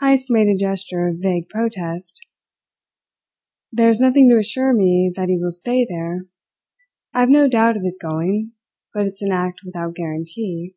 Heyst made a gesture of vague protest. "There's nothing to assure me that he will stay there. I have no doubt of his going, but it's an act without guarantee."